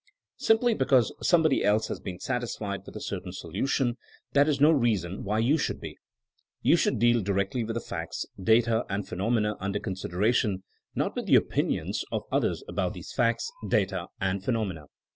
Simply because somebody else has been satisfied with a certain solution, that is no reason why you should be. You should deal directly with the facts, data and phenomena un der consideration; not with the opinions of THINKING AS A SCIENCE 171 others about those facts, data and phenomena.